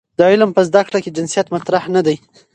د علم په زده کړه کې جنسیت مطرح نه دی.